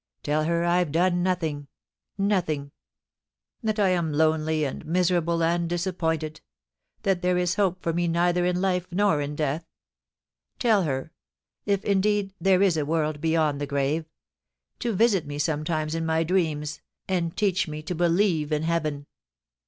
Tell her that I've done nothing — nothing ; that I am lonely and 'AT THE CENTRE OF PEACE.' 307 miserable and disappointed — that there is hope for me neither in life nor in death. Tell her—if, indeed, there is a world beyond the grave — to visit me sometimes in my dreams, and teach me to believe in heaven.'